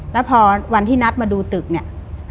แล้วพอวันที่นัดมาดูตึกเนี่ย